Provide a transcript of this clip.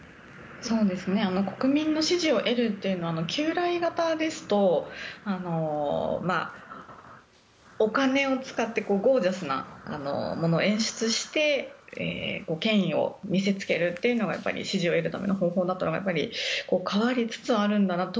国民の支持を得るというのは旧来型ですとお金を使ってゴージャスなものを演出して権威を見せつけるというのが支持を得るための方法だったのが変わりつつあるんだなと。